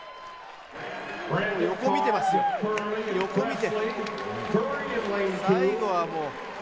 横見てますよ、横見てる。